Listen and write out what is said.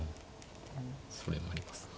それもありますね